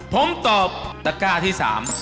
ผมตอบตะก้าที่๓